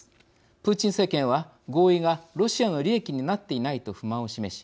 プーチン政権は合意がロシアの利益になっていないと不満を示し